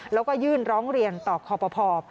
แล้วก็ยื่นร้องเรียนต่อคอปภ